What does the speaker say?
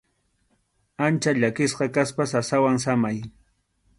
Ancha llakisqa kaspa sasawan samay.